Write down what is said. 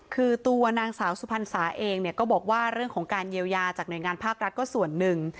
คือตัวนางสาวสุพรรณสาเองเนี่ยก็บอกว่าเรื่องของการเยียวยาจากหน่วยงานภาครัฐก็ส่วนหนึ่ง